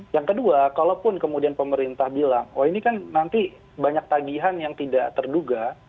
yang kedua kalaupun kemudian pemerintah bilang oh ini kan nanti banyak tagihan yang tidak terduga